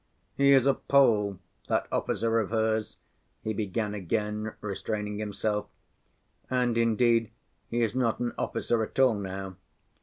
"He is a Pole, that officer of hers," he began again, restraining himself; "and indeed he is not an officer at all now.